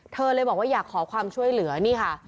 เธอเลยบอกว่าอยากขอความช่วยเหลือนี่ค่ะ